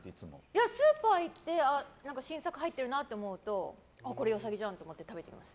スーパー行って新作入ってるなと思うとこれ良さげじゃんって食べてます。